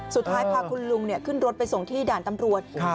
สุดท้ายพาคุณลุงขึ้นรถไปส่งที่ด่านตำรวจ